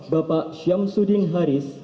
bapak syamsuddin haris